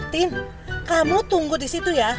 tin kamu tunggu disitu ya